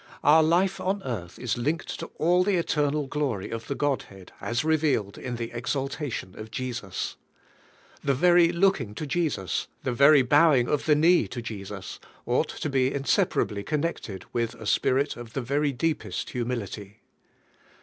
Our life on earth is linked to all the eternal glojy of the Godhead as revealed in the 87 88 CHRIST S HUMILITY OUR SALVATION exaltation of Jesus. The very looking to Jesus, the very bowing of the knee to Jesus, ought to be in separably connected with a spirit of the very deepest humility.